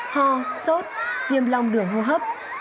ho sốt viêm lòng đường hô hấp